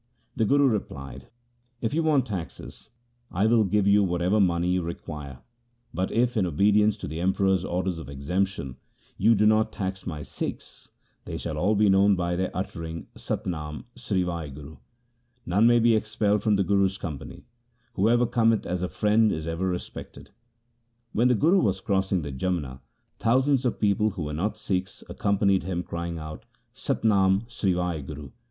The Guru replied, If you want taxes, I will give you whatever money you require ; bat if, in obedience to the Emperor's order of exemption, you do not tax my Sikhs, they shall all be known by their uttering " Sat Nam ! Sri Wahguru !" None may be expelled from the Guru's company ; whoever cometh as a friend is ever respected.' When the Guru was crossing the Jamna, thousands of people who were not Sikhs accompanied him, crying out ' Sat Nam ! Sri Wahguru